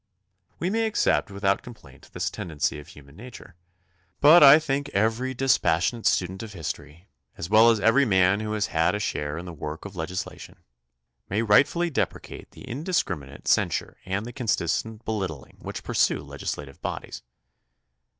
We may accept without complaint this tendency of human nature, but I think every dispassionate student of history, as well as every man who has had a share in the work of legislation, may rightfully deprecate the indiscriminate censure and the consistent belittling which pursue legislative bodies.